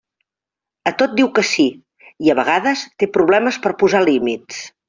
A tot diu que sí i a vegades té problemes per posar límits.